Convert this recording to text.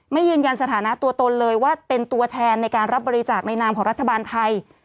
ยืนยันสถานะตัวตนเลยว่าเป็นตัวแทนในการรับบริจาคในนามของรัฐบาลไทย